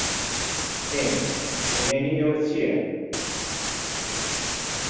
ئێ، نھێنیی ئێوە چییە؟